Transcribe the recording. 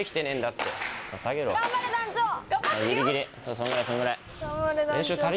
そんぐらいそんぐらい。